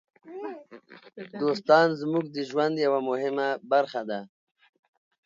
دوستان زموږ د ژوند یوه مهمه برخه دي.